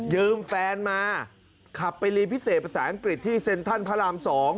แฟนมาขับไปเรียนพิเศษภาษาอังกฤษที่เซ็นทรัลพระราม๒